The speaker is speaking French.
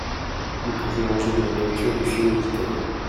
Nous pouvons manger de la nourriture de Chine ou d'Italie.